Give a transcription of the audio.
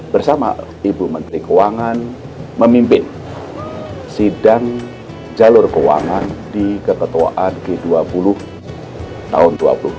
bersama ibu menteri keuangan memimpin sidang jalur keuangan di keketuaan g dua puluh tahun dua ribu dua puluh